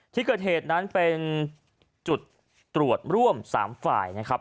ที่เกิดเหตุนั้นเป็นจุดตรวจร่วม๓ฝ่ายนะครับ